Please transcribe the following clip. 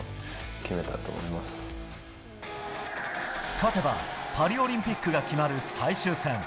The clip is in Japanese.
勝てばパリオリンピックが決まる最終戦。